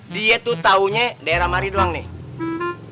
dia tuh taunya daerah mari doang nih